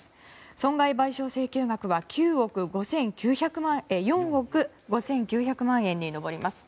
損害賠償請求額は４億５９００万円に上ります。